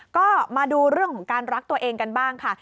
ก็มาดูเรื่องของการรักตัวเองกันบ้างค่ะ